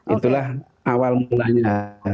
itulah awal mulanya